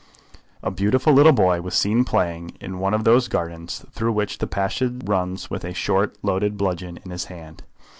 A beautiful little boy was seen playing in one of those gardens through which the passage runs with a short loaded bludgeon in his hand.